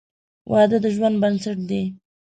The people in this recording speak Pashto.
• واده د ژوند بنسټ دی.